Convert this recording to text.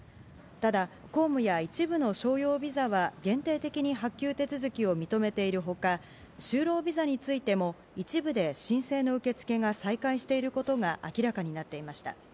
ただ、公務や一部の商用ビザは限定的に発給手続きを認めているほか、就労ビザについても、一部で申請の受け付けが再開していることが明らかになっていました。